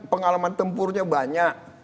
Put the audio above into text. pengalaman tempurnya banyak